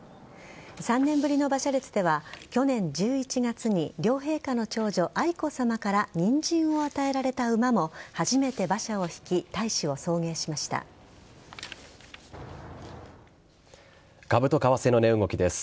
３年ぶりの馬車列では去年１１月に両陛下の長女・愛子さまからニンジンを与えられた馬も初めて馬車を引き株と為替の値動きです。